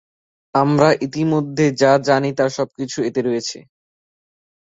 আমরা ইতিমধ্যে যা জানি তার সবকিছুই এতে রয়েছে।